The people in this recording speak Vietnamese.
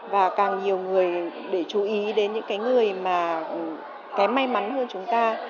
và càng nhiều người để chú ý đến những người mà kém may mắn hơn chúng ta